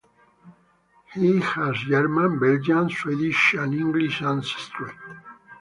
He has German, Belgian, Swedish, and English ancestry.